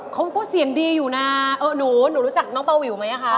เขาก็เสียงดีอยู่นะเออหนูหนูรู้จักน้องเบาวิวไหมคะ